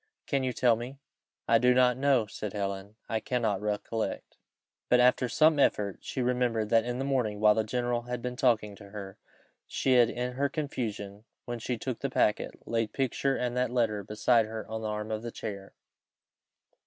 Can you tell me?" "I do not know," said Helen, "I cannot recollect." But after some effort, she remembered that in the morning, while the general had been talking to her, she had in her confusion, when she took the packet, laid the picture and that letter beside her on the arm of the chair.